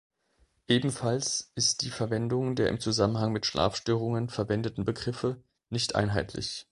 Ebenfalls ist die Verwendung der im Zusammenhang mit Schlafstörungen verwendeten Begriffe nicht einheitlich.